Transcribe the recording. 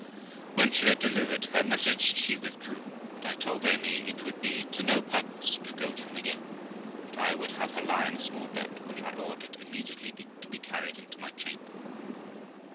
When she had delivered her message she withdrew, and I told Amy it would be to no purpose to go to him again, but I would have her lie in a small bed, which I ordered immediately to be carried into my chamber.